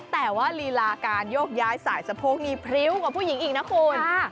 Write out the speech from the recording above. แต่ว่าลีลาการโยกย้ายสายสะโพกนี้พริ้วกว่าผู้หญิงอีกนะคุณ